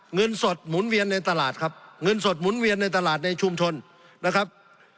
เงินสดหมุนเวียนในตลาดครับเงินสดหมุนเวียนในตลาดในชุมชนนะครับ